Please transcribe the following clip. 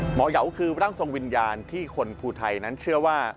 เหยาคือร่างทรงวิญญาณที่คนภูไทยนั้นเชื่อว่า